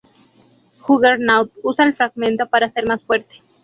Juggernaut usa el fragmento para ser más fuerte.